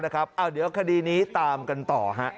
เดี๋ยวคดีนี้ตามกันต่อ